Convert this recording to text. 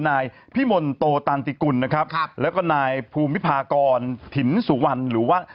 นายพิมลโตตารสิกุรแล้วก็นายภูมิภากรวรรถินสุวรรณหรือว่า